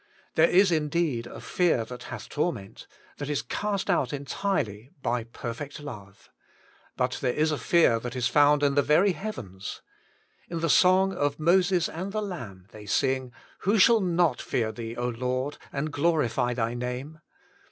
There is indeed a fear that hath torment, that is cast out entirely by perfect love. But there is a fear that is found in the very heavens. In the song of Moses and the Lamb they sing, * Who shall not fear Thee, Lord, and glorify Thy name